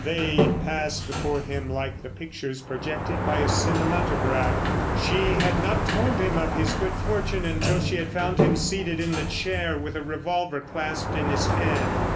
They passed before him like the pictures projected by a cinematograph. She had not told him of his good fortune until she had found him seated in the chair with a revolver clasped in his hand.